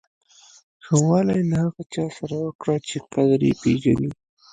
ښه والی له هغه چا سره وکړه چې قدر یې پیژني.